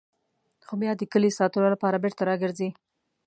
خو بیا د کلي ساتلو لپاره بېرته راګرځي.